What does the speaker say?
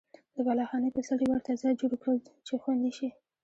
د بالاخانې په سر یې ورته ځای جوړ کړل چې خوندي شي.